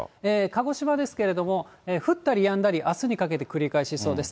鹿児島ですけれども、降ったりやんだり、あすにかけて繰り返しそうです。